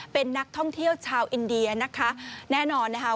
เป็นนักท่องเที่ยวชาวอินเดียนะคะแน่นอนนะคะ